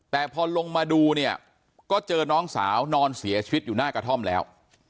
แต่พอลงมาดูเนี่ยก็เจอน้องสาวนอนเสียชีวิตอยู่หน้ากระท่อมแล้ว